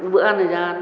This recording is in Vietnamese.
bữa ăn thì ra ăn